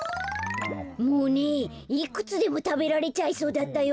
もういくつでもたべられちゃいそうだったよ。